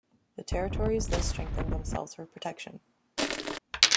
The territories thus strengthened themselves for protection.